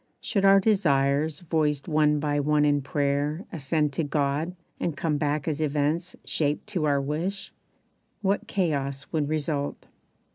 Should our desires Voiced one by one in prayer ascend to God And come back as events shaped to our wish What chaos would result!